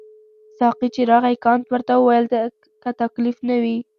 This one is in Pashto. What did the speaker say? ساقي چې راغی کانت ورته وویل که تکلیف نه وي.